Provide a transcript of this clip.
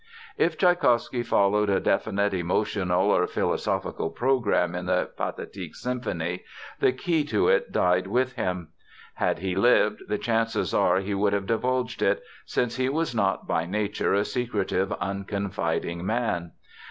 If Tschaikowsky followed a definite emotional or philosophical program in the Pathetic symphony, the key to it died with him. Had he lived, the chances are he would have divulged it, since he was not by nature a secretive, unconfiding man.